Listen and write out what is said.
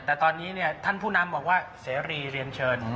แต่ตอนนี้ท่านผู้นำบอกว่าเสรีเรียนเชิญ